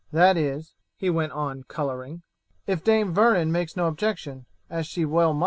That is," he went on, colouring, "if Dame Vernon makes no objection, as she well might."